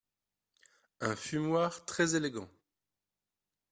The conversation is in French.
Un fumoir très élégant.